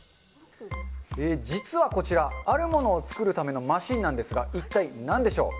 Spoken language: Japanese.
実はこちら、あるものを作るためのマシンなんですが、一体なんでしょう。